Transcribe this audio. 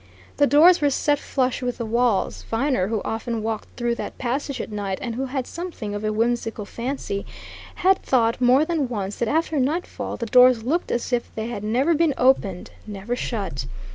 The doors were set flush with the walls Viner, who often walked through that passage at night, and who had something of a whimsical fancy, had thought more than once that after nightfall the doors looked as if they had never been opened, never shut.